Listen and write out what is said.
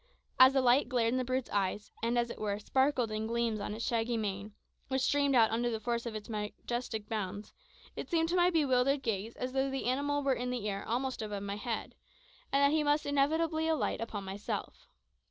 As the light glared in the brute's eyes, and, as it were, sparkled in gleams on its shaggy mane, which streamed out under the force of its majestic bound, it seemed to my bewildered gaze as though the animal were in the air almost above my head, and that he must inevitably alight upon myself.